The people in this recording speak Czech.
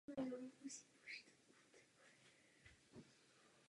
To není pravda, naopak to věci zjednodušuje.